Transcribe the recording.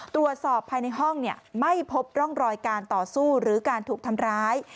ตรวจสอบภายในห้องไม่พบร่องรอยการต่อสู้หรือการถูกทำร้าย